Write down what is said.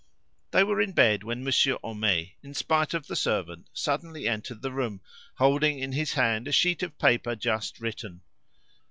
They were in bed when Monsieur Homais, in spite of the servant, suddenly entered the room, holding in his hand a sheet of paper just written.